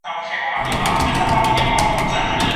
تاسي په خندا سواست .